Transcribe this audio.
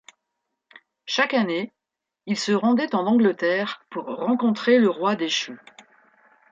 Chaque année, il se rendait en Angleterre pour rencontrer le roi déchu.